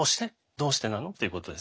どうしてなの？っていうことです。